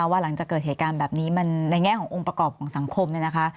ว่าหลังจากเกิดเหตุการณ์แบบนี้มันในแง่ขององค์ประกอบของสังคมเนี่ยนะคะ